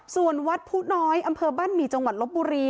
ส่วนวัดผู้น้อยอำเภอบ้านหมี่จังหวัดลบบุรี